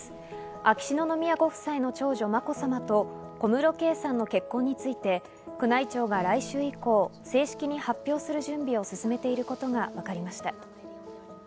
秋篠宮ご夫妻の長女・まこさまと小室圭さんの結婚について宮内庁は来週以降、正式に発表する準備を進めていることがわかりました。